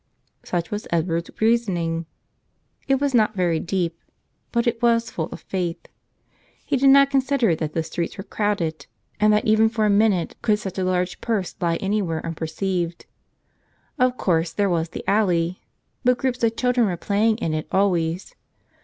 Such was Edward's reasoning. It was not very deep, but it was full of faith. He did not consider that the streets were crowded and that not even for a minute 25 "Tell Us Another /" could such a large purse lie anywhere unperceived. Of course, there was the alley; but groups of children were playing in it always.